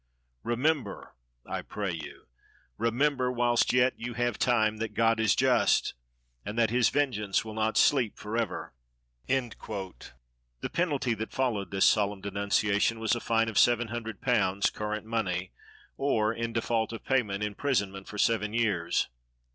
Remember, I pray you, remember, whilst yet you have time, that God is just, and that his vengeance will not sleep forever! The penalty that followed this solemn denunciation was a fine of seven hundred pounds, current money, or, in default of payment, imprisonment for seven years.